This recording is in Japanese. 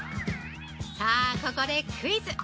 ◆さぁここで、クイズ！